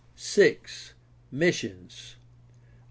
MISSIONS I.